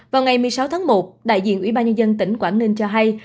vào ngày một mươi sáu tháng một đại diện ủy ban nhân dân tỉnh quảng ninh cho hay